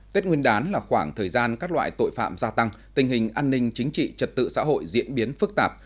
tết nguyên đán là khoảng thời gian các loại tội phạm gia tăng tình hình an ninh chính trị trật tự xã hội diễn biến phức tạp